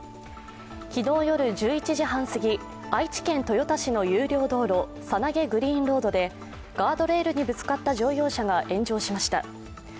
昨日夜１１時半過ぎ、愛知県豊田市の有料道路、猿投グリーンロードでガードレールにぶつかった乗用車が炎上しました。